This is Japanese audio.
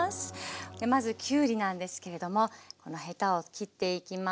まずきゅうりなんですけれどもこのヘタを切っていきます。